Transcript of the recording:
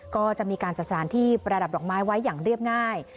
ก็จะมีการจัดสถานที่ประดับดอกไม้ไว้อย่างเรียบง่าย